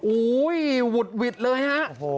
อุ้ยหุดหวิดเลยฮะ